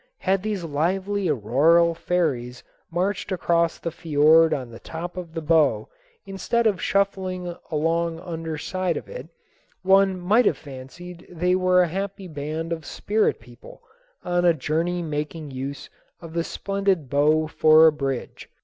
Had these lively auroral fairies marched across the fiord on the top of the bow instead of shuffling along the under side of it, one might have fancied they were a happy band of spirit people on a journey making use of the splendid bow for a bridge.